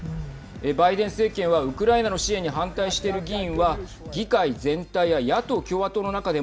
バイデン政権はウクライナの支援に反対している議員は議会全体や野党共和党の中でも